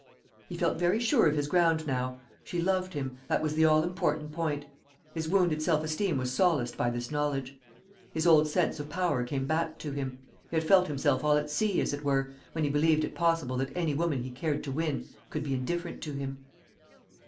He felt very sure of his ground now. She loved him that was the all important point. His wounded self esteem was solaced by this knowledge. His old sense of power came back to him. He had felt himself all at sea, as it were, when he believed it possible that any woman he cared to win could be indifferent to him.